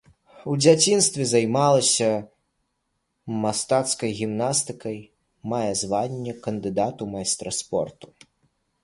У дзяцінстве займалася мастацкай гімнастыкай, мае званне кандыдат у майстра спорту.